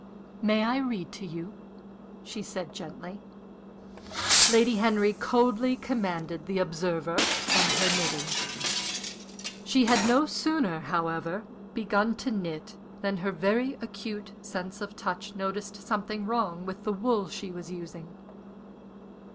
"May I read to you?" she said, gently. Lady Henry coldly commanded the Observer and her knitting. She had no sooner, however, begun to knit than her very acute sense of touch noticed something wrong with the wool she was using.